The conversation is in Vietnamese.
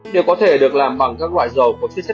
đều có thể được làm bằng các loại dầu của chất béo